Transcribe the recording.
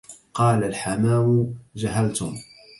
قال الحمام جهلتم